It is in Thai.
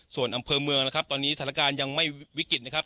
ส่วนอำเภอเมืองนะครับตอนนี้สถานการณ์ยังไม่วิกฤตนะครับ